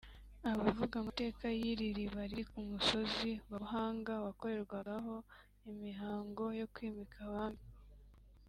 Abavuga amateka y’iri riba riri ku musozi wa Buhanga wakorerwagaho imihango yo kwimika abami